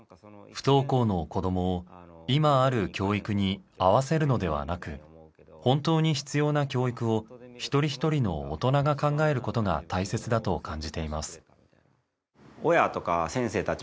不登校の子どもを今ある教育に合わせるのではなく本当に必要な教育を一人一人の大人が考えることが大切だと感じています。